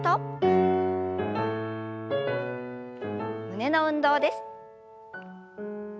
胸の運動です。